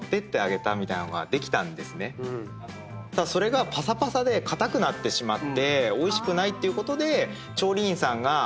ただそれがパサパサで硬くなってしまっておいしくないっていうことで調理員さんが。